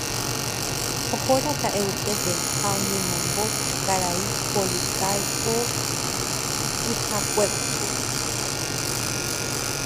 Ohóraka'e upépe ha oñemombo karai Policarpo kyhakuépe